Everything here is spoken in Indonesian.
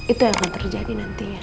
itu yang akan terjadi nantinya